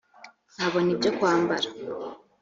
nkabona ibyo kwambara